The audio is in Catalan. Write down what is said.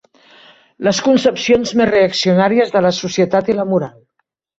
Les concepcions més reaccionàries de la societat i la moral.